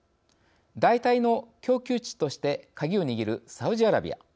代替の供給地としてカギを握るサウジアラビア。